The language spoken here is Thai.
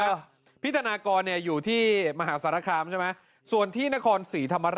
พี่ธนากรเนี่ยอยู่ที่มหาสารคามใช่ไหมส่วนที่นครศรีธรรมราช